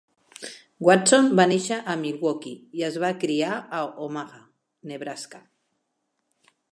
Watson va néixer a Milwaukee i es va criar a Omaha, Nebraska.